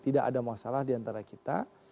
tidak ada masalah diantara kita